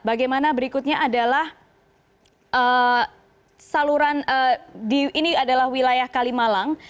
bagaimana berikutnya adalah saluran ini adalah wilayah kalimalang